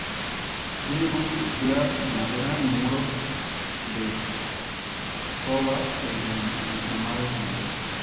Tienen una estructura de madera y muros de toba en entramados de madera.